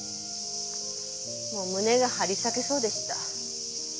もう胸が張り裂けそうでした。